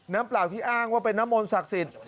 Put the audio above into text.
เปล่าที่อ้างว่าเป็นน้ำมนต์ศักดิ์สิทธิ์